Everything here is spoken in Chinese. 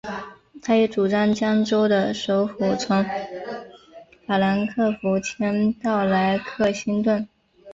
他也主张将州的首府从法兰克福迁到莱克星顿。